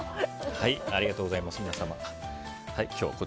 ありがとうございます、皆様。